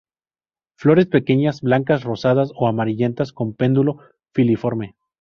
Flores pequeñas, blancas, rosadas o amarillentas; con pedúnculo filiforme.